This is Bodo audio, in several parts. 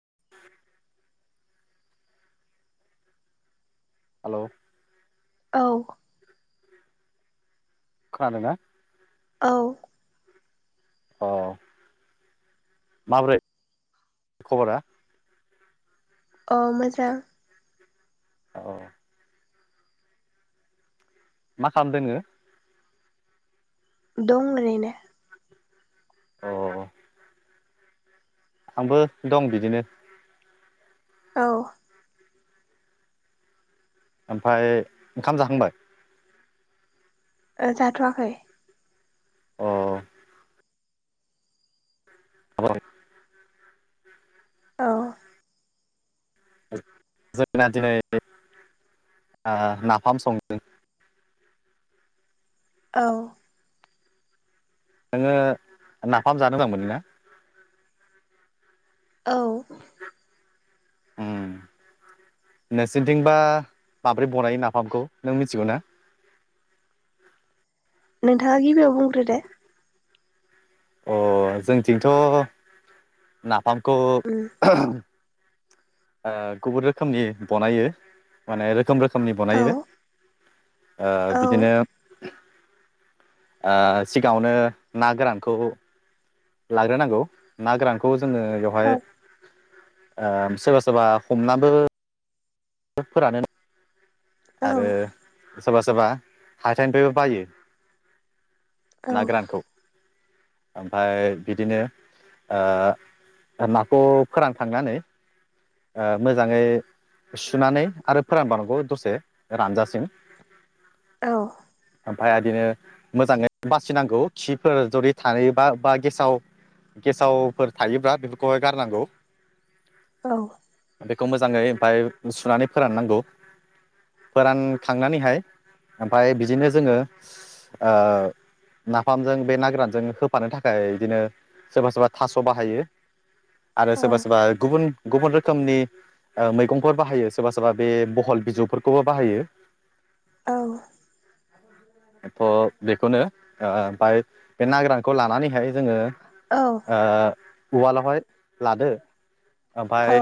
[unintelligible] हेलौ। औ। खोनादोंना। औ। अ माबोरै खबरा अ मोजां। औ। मा खालामदों नोंङो? दं ओरैनो। अ। आंबो दं बिदिनो। औ। ओमफ्राय ओंखाम जाखांबाय? ओ जाथ'वाखै। अ। [unintelligible] औ। [unintelligible] ओ नाफाम संदों। औ। नोङो नाफाम जानो मोजां मोनो ना? औ। उम। नोंसिनिथिंबा माब्रै बनायो नाफामखौ, नों मिथिगौ ना? [unintelligible] नोंथाङा गिबियाव बुंग्रो दो। अ जोंथिंथ नाफामखौ उम ओ गुबुन रोखोमनि बनायो माने रोखोम रोखोमनि औ बनायो। ओ औ बिदिनो ओ सिगाङावनो ना गोरानखौ लाग्रोनांगौ ना गोरानखौ जोङो औ बेवहाय ओ सोरबा सोरबा हमनाबो फोरानो औ आरो सोरबा सोरबा हाथाइनिफायबो बायो। औ ना गोरानखौ ओमफाय बिदिनो ओ ओ नाखौ फोरान खांनानै ओ मोजाङै सुनानै आरो फोरानबावनांगौ दसे रानजासिम। औ ओमफाय आइदिनो मोजाङै बासिनांगौ खिफोर जदि थायोबा बा गेसाव गेसावफोर थायोब्ला बेफोरखौहाय गारनांगौ। औ। बेखौ मोजाङै ओमफाय सुनानै फोराननांगौ। फोरानखांनानैहाय ओमफाय बिदिनो जोङो ओ नाफामजों बे ना गोरानजों होफानो थाखाय इदिनो सोरबा सोरबा थास' बाहायो आरो औ सोरबा सोरबा गुबुन गुबुन रोखोमनि ओ मैगंफोर बाहायो। सोरबा सोरबा बे बहल बिजौफोरखौबो बाहायो। [unintelligible] औ। थ' बेखौनो ओ ओमफाय बे ना गोरानखौ लानानैहाय जोङो औ ओ उवालावहाय लादो ओमफाय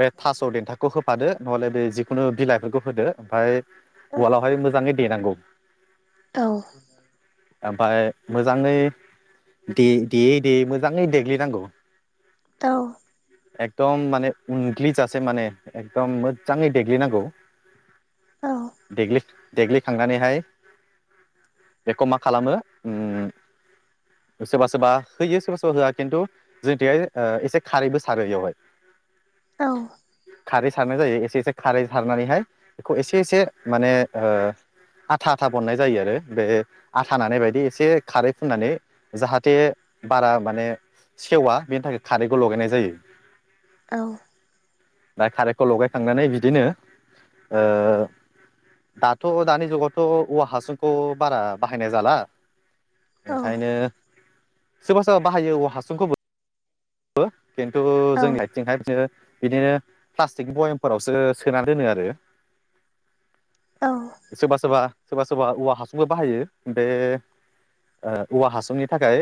बे थास' देन्थाखौ होब फादो नहले बे जिखुनु बिलाइफोरखौ होदो ओमफाय उवालावहाय मोजाङै देनांगौ। औ। ओमफाय मोजाङै दे देयै देयै मोजाङै देग्लिनांगौ। [unintelligible] एकदम माने उनग्लिजासे माने एकदम मोदजाङै देग्लिनांगौ। देग्लि देग्लिखांनानैहाय बेखौ मा खालामो उम सोरबा सोरबा होयो सोरबा सोरबा किनतु जोनिथिंहाय ओ एसे खारैबो सारो इयावहाय औ खारै सारनाय जायो एसे एसे खारै सारनानैहाय बेखौ एसे एसे माने ओ था था बननाय जायो आरो बे आथा नानाय बायदि एसे खारै फुननानै जाहाथे बाथ [unintelligible] माने सेवा बेनि थाखाय खारैखौ लगायनाय जायो। औ बा खारैखौ लगायखांनानै बिदिनो ओ दाथ' दानि जुगाव थ' औवा हासंखौ बारा बाहायनाय जाला ओंखायनो सोरबा सोरबा बाहायो औ हासुंखौबो खिन्थु जोंनि जायथिंहाय बिदिनो बिदिनो प्लास्टिकनि बयमफोरावसो सोना दोनो आरो सोरबा सोरबा सोरबा सोरबा औवा हासुंबो बाहायो बे ओ औवा हासुंनि थाखाय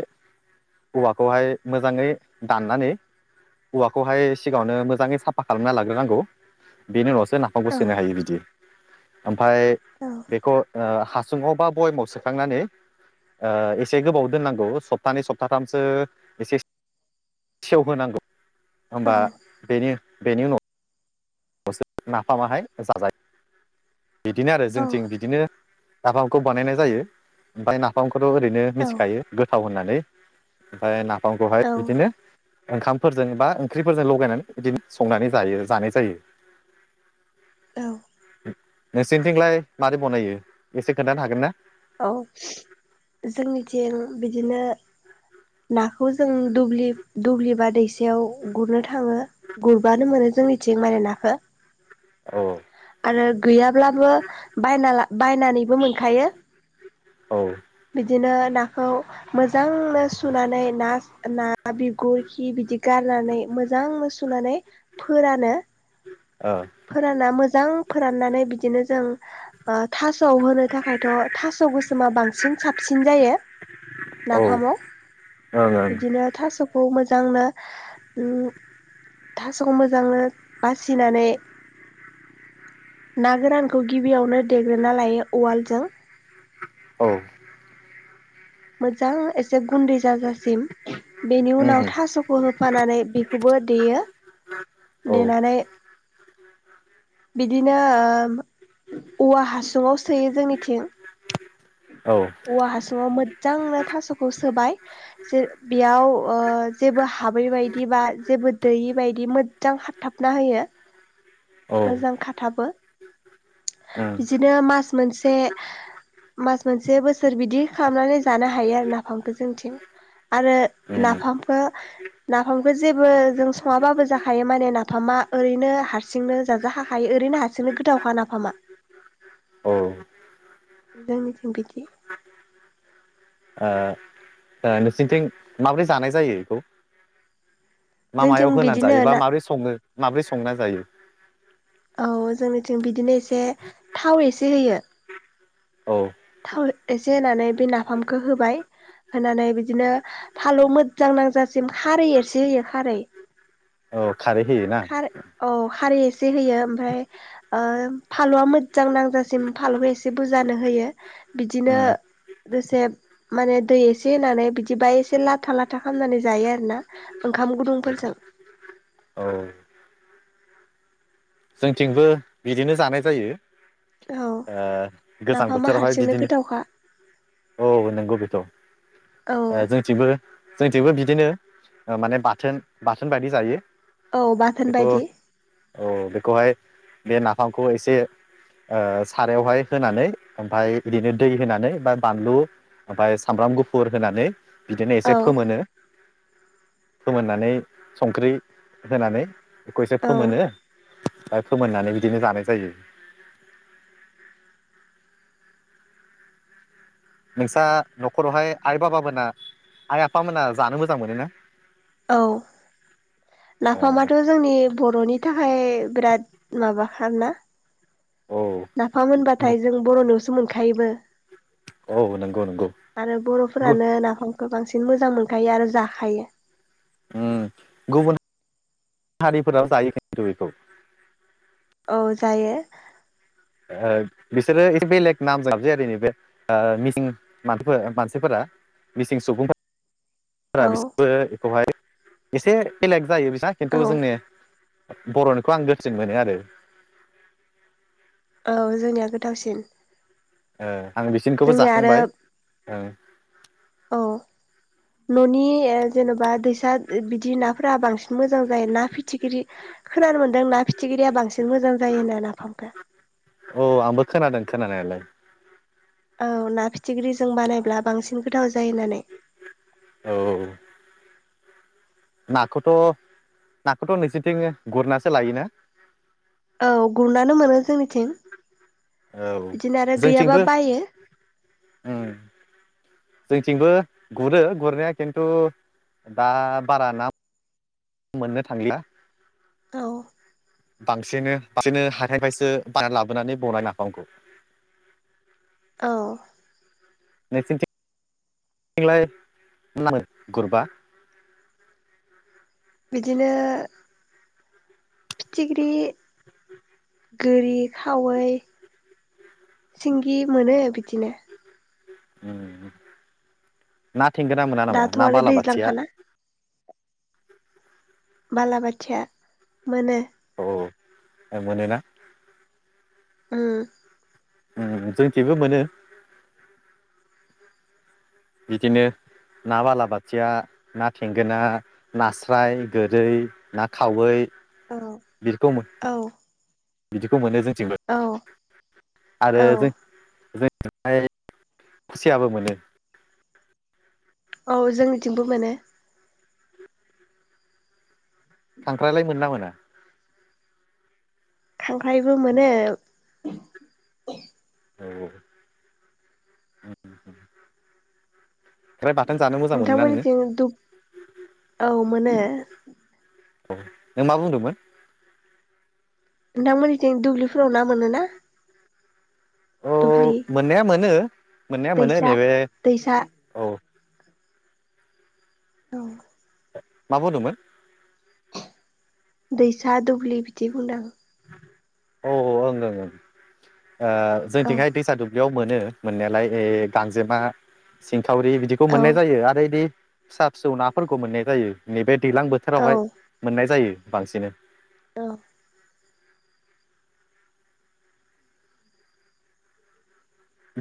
औवाखौहाय मोजाङै दाननानै औवाखौहाय सिगाङावनो मोजाङै साफा खालामना लाग्रोनांगौ बेनि उनावस सो नाफामखौ सोनो हायो बिदि ओमफाय बेखौ ओ हासुङाव बा बयामाव सोखांनानै ओ एसे गोबाव दोननांगौ सप्तानै सप्ताथामसो एसेस सेवहोनांगौ होमबा बेनि बेनि उनाव आवसो नाफामाहाय जाजायो बिदिनो आरो जोंथिं बिदिनो नाफामखौ बानायनाय जायो ओमफाय नाफामखौथ' ओरैनो मिथिखायो गोथाव होनना नै ओमफाय नाफामखौहाय बिदिनो ओंखामफोरजों बा ओंख्रिफोरजों लगायनानै बिदिनो संनानै जायो जानाय जायो औ नोंसोरनिथिंलाय मारै बनायो एसे खोनथानो हागोन ना औ जोंनिथिं बिदिनो नाखौ जों दुब्लिबा दैसेयाव गुरनो थाङो गुरबानो मोनो जोंनिथिं माने नाखो औ औ गैयाब्लाबो बायना बायनानैबो मोनखायो औ बिदिनो नाखौ मोजांनो सुनानै नास ना ना बिगुर खि बिदि गारनानै मोजांनो सुनानै फोरानो। ओ फोराना मोजां फोराननानै बिदिनो जों थास खौ होनो थाखायथ' थास' गोसोमा बांसिन साबसिन जायो। औ नाफामाव ओं बिदिनो थासखौ मोजांनो ओम थासखौ मोजांनो बासिनानै ना गोरानखौ गिबियावनो देग्रोना लायो उवालजों औ मोजां एसे गु गुन्दै जाजासिम बेनि उम उनाव थासखौ होफानानै बेखौबो देयो औ देनानै बिदिनो ओ औवा हासुंङाव सोयो जोंनिथिं औ औवा हासुङाव मोजांनो थासखौ सो सोबाय जे बेयाव ओ जेबो हा हाबै बायदि बा जेबो दैयि बायदि मोजां खाथाबना होयो। औ मोजां खाथाबो उम बिदिनो मास मोनसे मास मोनसे बोसोर बिदि खालामनानै जानो हायो आरो नाफामखौ जोंथिं आरो उम नाफामखौ आ ओरैनो हारसिंनो जाजाखाखायो ओरैनो हारसिंनो गोथावखा नाफामा अ जोंनिथिं बिदि नोंसोरनिथिं माबोरै जानाय जायो बेखौ मा जोंनिथिं मायाव होनानै बिदिनो जायोबा ना माबोरै सङो माबोरै संना जायो। औ जोंनिथिं बिदिनो एसे थाव एसे होयो। औ एसे होनानै बे नाफामखौ होबाय होनानै बिदिनो फालौ मोजां नांजासिम खारै एसे होयो खारै औ खारै होयो ना खार औ खारै एसे होयो ओमफ्राय फालुआ मोजां नांजासिम फालुखौ एसे बुरजानो होयो। बिदिनो उम दसे माने दै एसे होनानै बिदिबा एसे लाथा लाथा खालामामनानै जायो आरो ना ओंखाम गुदुंफोरजों औ जोंथिंबो बिदिनो जानाय जायो। औ गोजां नाफामा बोथोरावहाय हारसिंनो बिदिनो गोथावखा औ नंगौ बेथ' औ जोंथिंबो जोंथिंबो बिदिनो माने बाथोन बाथोन बायदि जायो। औ बाथोन बेखौ बायदि औ बेखौहाय बे नाफामखौ एसे ओ सारायावहाय होनानै ओमफ्राय बिदिनो दै होनानै बा बानलु ओमफ्राय सामब्राम गुफुर होनानै बिदिनो औ एसे फोमोनो। फोमोननानै संख्रि होनानै बेखौ एसे औ फोमोनो। ओमफ्राय फोमोननानै बिदिनो जानाय जायो। नोंस्रा न'खरावहाय आइ बाबा मोना आइ आफा मोना जानो मोजां मोनो ना औ नाफामाथ' जोंनि बर'नि थाखाय बिराद माबाखाना औ नाफाम होनबाथाय जों बर'नियावसो मोनखायोबो औ नंगौ नंगौ आरो बर'फोरानो नाफामखौ खौ बांसिन मोजां मोनखायो आरो जाखायो गुबुन हारिफोराबो जायो खिनथु बेखौ औ जायो बिसोरो एसे बेलेग नामजों गाबज्रियो आरो नैबे मिसिं मानसि मानसिफोरा मिसिं सुबुंफोरा औ बिसोरबो बेखौहाय एसे बेलेग जायो बिसिना औ खिन्थु जोंनि बर'निखौ आं गोथावसिन मोनो आरो औ जोंनिया गोथावसिन आं बिसोरनिखौबो जोंनिया आरो जाखांबाय ओं औ न'नि जेन'बा दैसा बि बिदि नाफोरा बांसिन मोजां जायो ना फिथिख्रि खोनानो मोनदों ना फिथिख्रिया बांसिन मोजां जायोना नाफामखौ औ आंबो खोनादों खोनानायालाय औ ना फिथिख्रि जों बानायब्ला बांसिन गोथाव जायो होननानै औ नाखौथ' नाखौथ' नोंसोरथिं गुरनासो लायोना औ गुरनानै मोनो जोंनिथिं औ बिदिनो आरो गैयाब्ला बायो औ जोंथिंबो गुरो गुरनाया खिन्थु दा बारा ना मोननो थांला औ बांसिन बांसिननो हाथायनिफ्रायसो बायना लाबोनानै बानायो नाफामखौ औ नोंसनिथिं [unintelligible] थिंलाय नामो गुरबा बिदिनो फिथिख्रि गोरि खावै सिंगि मोनो बिदिनो ओम, ना थेंगोना मोना नामा दाथ' ना आरो बालाबाथिया? दैज्लांखाना बालाबाथिया मोनो औ मनोना ओम ओम जोंखेबो मोनो बिदिनो ना बालाबाथिया, ना थेंगोना, नास्राय गोरै, ना खावै औ बिदिखौ औ बिदिखौ मोनो जोंथिंबो औ आरो औ जों जों ओमफ्राय खुसियाबो मोनो औ जोंनिथिंबो मोनो खांख्रायलाय मोना मोना? खांख्राइबो मोनो औ खांख्राइ बाथोन जानो मोजां मोनो ना नोङो? नोंथांमोननिथिं दुब औ मोनो औ नों मा बुंदोंमोन? नोंथांमोनथि दुब्लिफोराव ना मोनो ना? औ मोननाया मोनो मोननाया मोनो दैसा नैबे दैसा औ औ मा बुंदोंमोन? दैसा दुब्लि बिदि बुंदां। औ औ ओं ओं ओ औ जोंथिंहाय दैसा दुब्लियाव मोनो मोननायालाय ए गांजेमा सिंखावरि बिदिखौ औ मोननाय जायो आरो बे फिसा-फिसौ नाफोरखौ मोननाय जायो नैबे दैलां औ बोथोरावहाय मोननाय जायो बांसिनै। औ।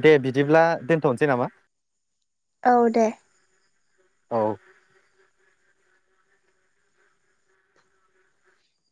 दे बिदिब्ला दोनथ'नोसै नामा। औ दे। औ।